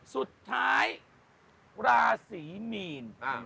สุดท้ายราศีมีน